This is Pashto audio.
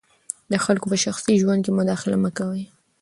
د خلګو په شخصي ژوند کي مداخله مه کوه.